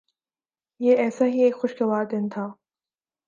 یہ ایسا ہی ایک خوشگوار دن تھا۔